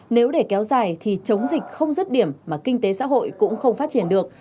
nếu để kéo dài thì chống dịch không rứt điểm mà kinh tế xã hội cũng không phát triển được